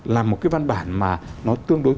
là một cái văn bản mà nó tương đối